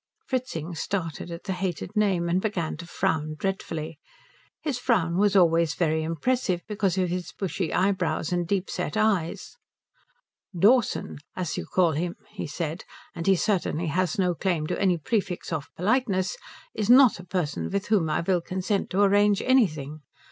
Fritzing started at the hated name, and began to frown dreadfully. His frown was always very impressive because of his bushy eyebrows and deep set eyes. "Dawson, as you call him," he said, "and he certainly has no claim to any prefix of politeness, is not a person with whom I will consent to arrange anything.